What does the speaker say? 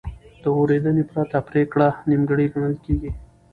د اورېدنې پرته پرېکړه نیمګړې ګڼل کېږي.